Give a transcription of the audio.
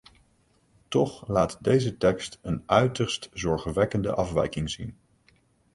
Toch laat deze tekst een uiterst zorgwekkende afwijking zien.